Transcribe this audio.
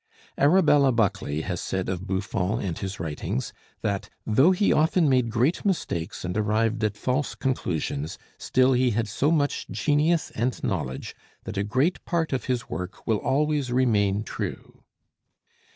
Arabella Buckley has said of Buffon and his writings that though "he often made great mistakes and arrived at false conclusions, still he had so much genius and knowledge that a great part of his work will always remain true."